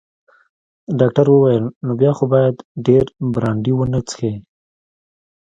ډاکټر وویل: نو بیا خو باید ډیر برانډي ونه څښې.